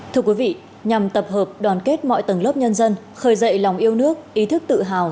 thưa quý vị nhằm tập hợp đoàn kết mọi tầng lớp nhân dân khởi dậy lòng yêu nước ý thức tự hào